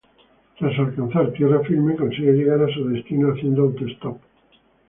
Tras alcanzar tierra firme, consigue llegar a su destino haciendo autostop.